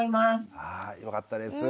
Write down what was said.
はいよかったです。